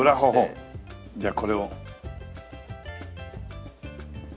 じゃあこれを。